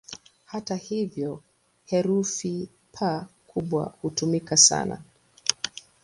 Hata hivyo, herufi "P" kubwa hutumika sana.